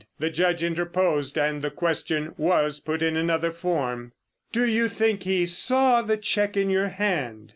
The Judge interposed, and the question was put in another form. "Do you think he saw the cheque in your hand?"